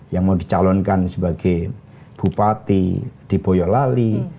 yang mau dicalonkan sebagai bupati di boyolali